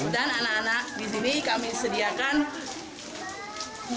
dan anak anak di sini kami sediakan minuman